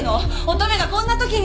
乙女がこんな時に！